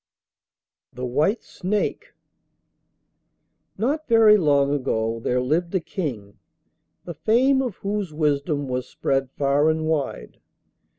THE WHITE SNAKE Not very long ago there lived a King, the fame of whose wisdom was spread far and wide.